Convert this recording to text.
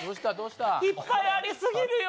いっぱいあり過ぎるよ。